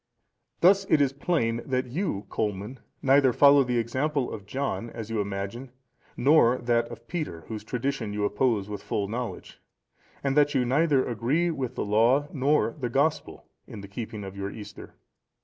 (473) "Thus it is plain, that you, Colman, neither follow the example of John, as you imagine, nor that of Peter, whose tradition you oppose with full knowledge, and that you neither agree with the Law nor the Gospel in the keeping of your Easter.